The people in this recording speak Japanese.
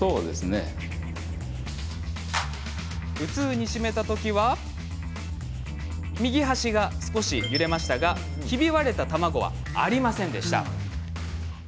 普通に閉めた時は右端がちょっと揺れましたがひび割れた卵はありませんでした。